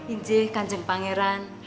injilkan jeng pangeran